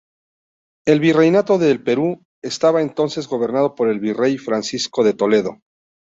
El virreinato del Perú estaba entonces gobernado por el virrey Francisco de Toledo.